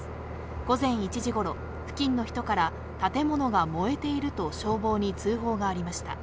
午前１時ごろ、付近の人から建物が燃えていると消防に通報がありました。